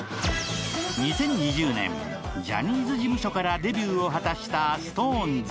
２０２０年、ジャニーズ事務所からデビューを果たしたＳｉｘＴＯＮＥＳ。